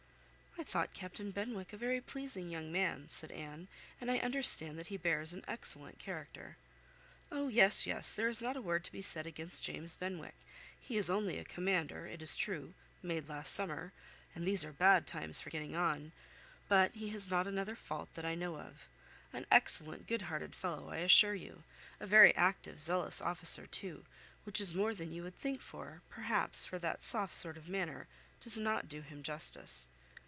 "I thought Captain Benwick a very pleasing young man," said Anne, "and I understand that he bears an excellent character." "Oh! yes, yes, there is not a word to be said against James Benwick. He is only a commander, it is true, made last summer, and these are bad times for getting on, but he has not another fault that I know of. An excellent, good hearted fellow, I assure you; a very active, zealous officer too, which is more than you would think for, perhaps, for that soft sort of manner does not do him justice."